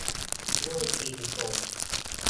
ลูกดินกลม